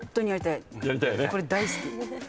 これ大好き。